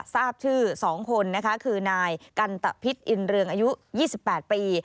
ทราบชื่อ๒คนนะคะคือนายกันตะพิษอินเรืองอายุ๒๘ปี